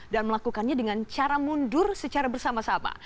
dan melakukannya dengan cara mundur secara bersama sama